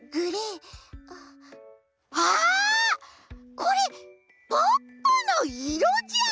これポッポのいろじゃん！